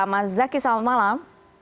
mas zaky selamat malam